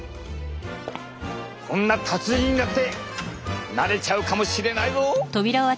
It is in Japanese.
こんな達人にだってなれちゃうかもしれないぞ！